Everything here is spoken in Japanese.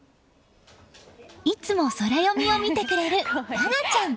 いつもソラよみを見てくれるららちゃん。